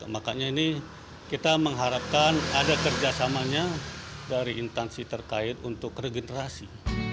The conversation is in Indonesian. makanya ini kita mengharapkan ada kerjasamanya dari intansi terkait untuk regenerasi